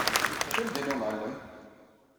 D acu i m-d-yenna umɛellem?